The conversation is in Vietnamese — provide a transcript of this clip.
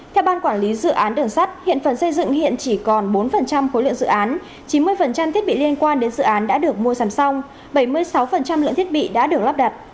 theo ban quản lý dự án đường sắt hiện phần xây dựng hiện chỉ còn bốn khối lượng dự án chín mươi thiết bị liên quan đến dự án đã được mua sắm xong bảy mươi sáu lượng thiết bị đã được lắp đặt